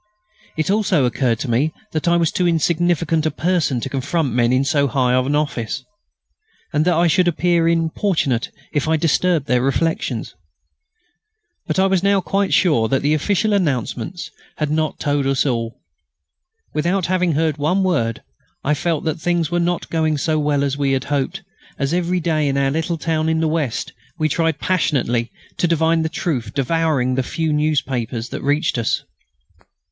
It also occurred to me that I was too insignificant a person to confront men so high in office, and that I should appear importunate if I disturbed their reflections. But I was now quite sure that the official announcements had not told us all. Without having heard one word, I felt that things were not going so well as we had hoped, as every day in our little town in the west we tried passionately to divine the truth, devouring the few newspapers that reached us.